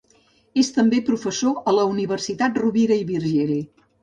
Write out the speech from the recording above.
És també professor a la Universitat Rovira i Virgili.